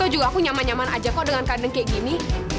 juga aku nyaman nyaman aja kok dengan kadang kayak gini